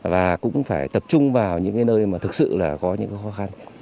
và cũng phải tập trung vào những nơi mà thực sự là có những khó khăn